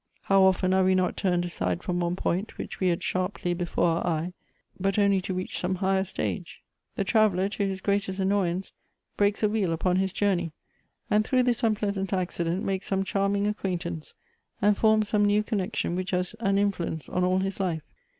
How often are we not turned aside from one point which we had sharply before our eye, but only to reach some higher sUge ! The traveller, to his greatest annoyance, breaks a wheel upon his journey, and Elective Affinities. 243 throngh this unpleasant accident makes some charming acquaintance, and forms some new connection, which has an influence on all his life.